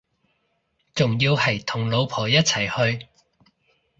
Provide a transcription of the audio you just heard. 仲要係同老婆一齊去